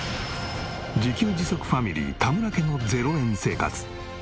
自給自足ファミリー田村家の０円生活。